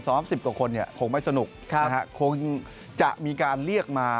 ซ้อม๑๐กว่าคนคงไม่สนุกคงจะมีการเรียกมา